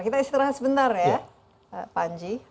kita istirahat sebentar ya panji